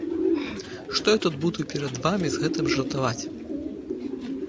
Што я тут буду перад вамі з гэтым жартаваць.